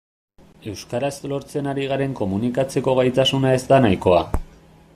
Euskaraz lortzen ari garen komunikatzeko gaitasuna ez da nahikoa.